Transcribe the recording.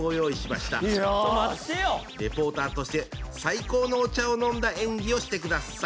レポーターとして最高のお茶を飲んだ演技をしてください。